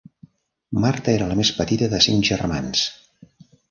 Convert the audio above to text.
Marta era la més petita de cinc germans.